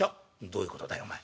「どういうことだよお前。